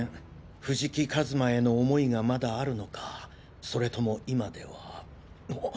藤木一馬への思いがまだあるのかそれとも今ではあっ！